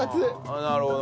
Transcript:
なるほどね。